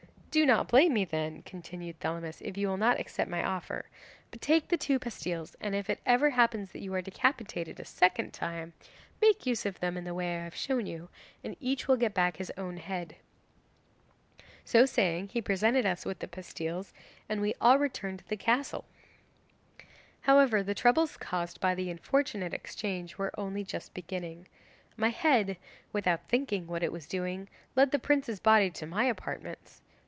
"Do not blame me then," continued Thelamis, "if you will not accept my offer. But take the two pastilles, and if it ever happens that you are decapitated a second time, make use of them in the way I have shown you, and each will get back his own head." So saying he presented us with the pastilles, and we all returned to the castle. 'However, the troubles caused by the unfortunate exchange were only just beginning. My head, without thinking what it was doing, led the prince's body to my apartments.